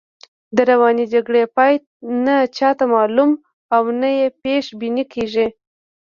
د روانې جګړې پای نه چاته معلوم او نه یې پیش بیني کېږي.